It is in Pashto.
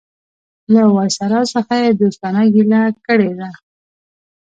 له وایسرا څخه یې دوستانه ګیله کړې ده.